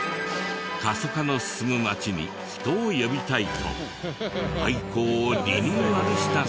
過疎化の進む町に人を呼びたいと廃校をリニューアルしたそうだ。